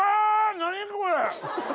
何これ！